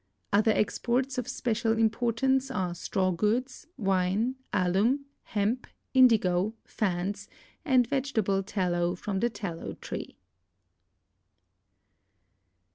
Other exports of special importance are straw goods, wine, alum, hemp, indigo, fans, and vegetable tallow from the tallow tree.